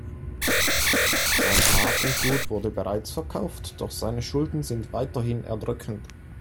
Sein Hab und Gut wurde bereits verkauft, doch seine Schulden sind weiterhin erdrückend.